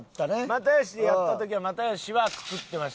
又吉でやった時は又吉はくくってました。